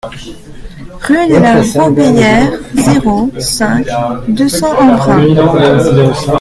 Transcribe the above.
Rue de la Robéyère, zéro cinq, deux cents Embrun